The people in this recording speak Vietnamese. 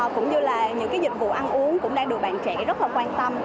cũng như là những dịch vụ ăn uống cũng đang được bạn trẻ rất là quan tâm